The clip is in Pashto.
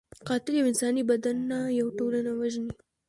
قاتل یو انساني بدن نه، یو ټولنه وژني